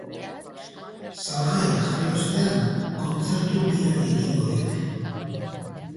Salgai jarri ostean, kontzertu birari ekingo diote.